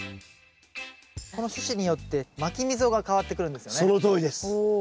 この種子によってまき溝が変わってくるんですよね？